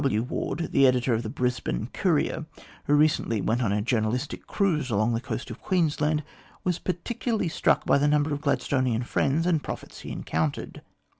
W. Ward, the editor of the Brisbane Courier, who recently went on a journalistic cruise along the coast of Queensland, was particularly struck by the number of Gladstonian friends and prophets he encountered.